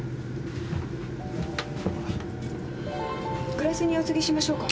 グラスにお注ぎしましょうか？